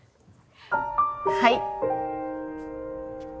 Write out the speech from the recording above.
はい。